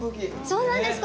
そうなんです。